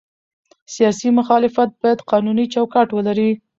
سیاسي مخالفت باید قانوني چوکاټ ولري